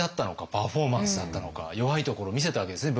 パフォーマンスだったのか弱いところ見せたわけですね